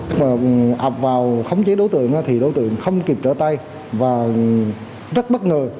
nhưng mà ập vào khống chế đối tượng thì đối tượng không kịp trở tay và rất bất ngờ